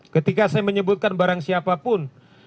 ketika saya menyebutkan barang siapapun